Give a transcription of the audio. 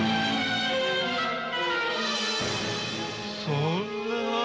そんな。